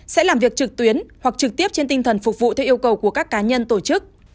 sẽ làm việc trực tuyến hoặc trực tiếp trên tinh thần phục vụ theo yêu cầu của các cá nhân tổ chức